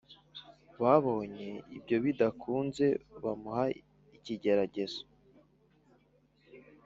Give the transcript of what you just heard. Babonye ibyo bidakunze, bamuha ikigeragezo